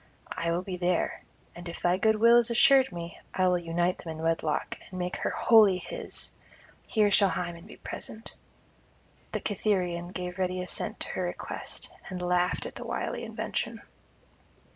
I will be there, and if thy goodwill is assured me, I will unite them in wedlock, and make her wholly his; here shall Hymen be present.' The Cytherean gave ready assent to her request, and laughed at the wily invention.